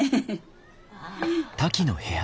ああ。